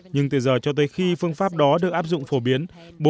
nhưng từ giờ cho tới khi phương pháp đó được áp dụng phổ biến